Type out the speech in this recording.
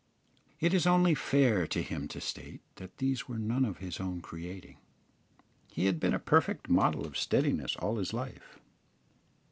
It is only fair to him to state, that these were none of his own creating he had been a perfect model of steadiness all his life.